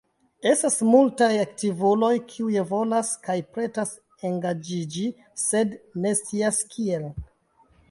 Estas multaj aktivuloj kiuj volas kaj pretas engaĝiĝi sed ne scias kiel.